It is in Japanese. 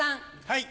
はい。